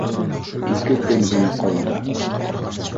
Ике көн генә ҡалды.